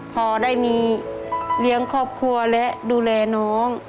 พอได้มีเลี้ยงครอบครัวและดูแลน้อง